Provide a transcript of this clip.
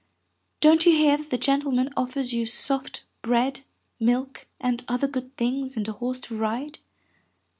Don't you hear that the gentle man offers you soft bread, milk, and other good things and a horse to ride?"